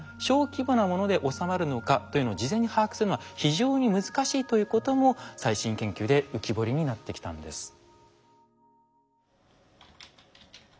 小規模なもので収まるのかというのを事前に把握するのは非常に難しいということも最新研究で浮き彫りになってきたんです。